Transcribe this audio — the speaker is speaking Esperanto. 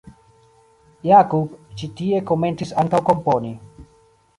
Jakub ĉi tie komencis ankaŭ komponi.